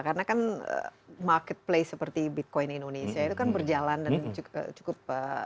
karena kan marketplace seperti bitcoin indonesia itu kan berjalan dan cukup